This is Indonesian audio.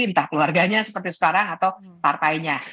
entah keluarganya seperti sekarang atau partainya